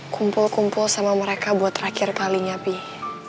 kumpul kumpul sama mereka buat terakhir kalinya pih